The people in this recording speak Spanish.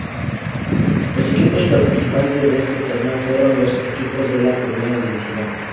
Los equipos participantes de este torneo fueron los equipos de la primera división.